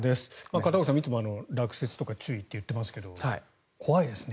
片岡さんもいつも落雪とか注意って言ってますけど怖いですね。